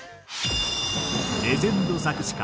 レジェンド作詞家